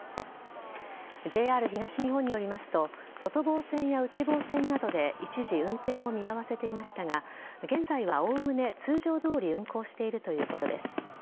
ＪＲ東日本によりますと外房線や内房線などで一時運転を見合わせていましたが現在はおおむね通常どおり運行しているということです。